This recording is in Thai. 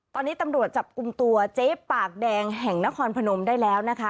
ตอนนี้ตำรวจจับกลุ่มตัวเจ๊ปากแดงแห่งนครพนมได้แล้วนะคะ